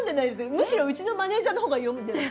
むしろうちのマネージャーの方が詠んでます。